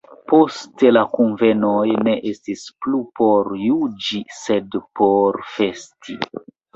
Poste la kunvenoj ne estis plu por juĝi sed por festi.